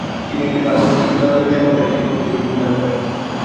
তিনি একটি প্রাথমিক বিদ্যালয়ে সহকারী শিক্ষক হিসেবে যোগদান করেন।